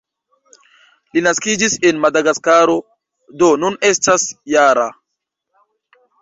Li naskiĝis en Madagaskaro, do nun estas -jara.